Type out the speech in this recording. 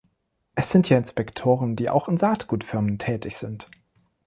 Es sind ja Inspektoren, die auch in Saatgutfirmen tätig sind.